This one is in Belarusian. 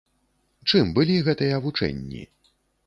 Чым былі гэтыя вучэнні?